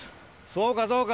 そうかそうか。